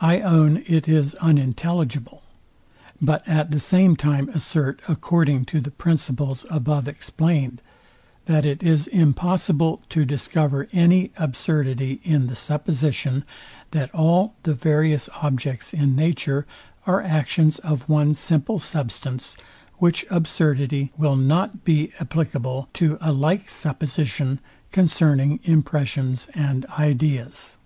I own it is unintelligible; but at the same time assert, according to the principles above explained, that it is impossible to discover any absurdity in the supposition, that all the various objects in nature are actions of one simple substance, which absurdity will not be applicable to a like supposition concerning impressions and ideas.